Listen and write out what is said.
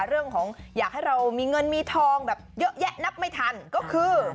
เรื่องของอยากให้เรามีเงินมีทองแบบเยอะแยะนับไม่ทันก็คือ